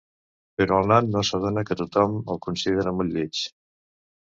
Però el nan no s'adona que tothom el considera molt lleig.